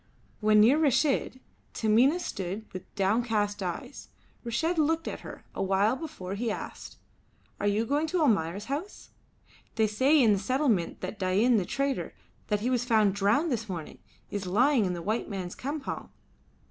When near Reshid Taminah stood with downcast eyes. Reshid looked at her a while before he asked "Are you going to Almayer's house? They say in the settlement that Dain the trader, he that was found drowned this morning, is lying in the white man's campong."